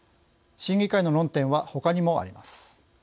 審議会の論点はほかにもあります。